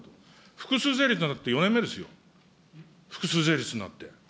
複数税率になって４年目ですよ、複数税率なんて。